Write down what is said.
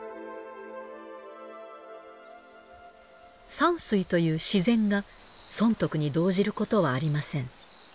山水という自然が損得に動じることはありません。